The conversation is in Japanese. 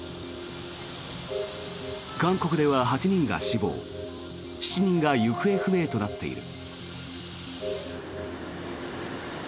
韓国では８人が死亡７人が行方不明となっている。